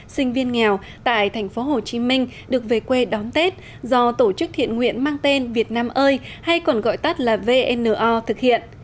sinh viên nghèo tại tp hcm được về quê đón tết do tổ chức thiện nguyện mang tên việt nam ơi hay còn gọi tắt là vno thực hiện